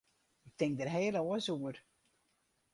Ik tink der heel oars oer.